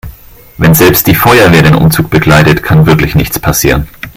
Wenn selbst die Feuerwehr den Umzug begleitet, kann wirklich nichts passieren.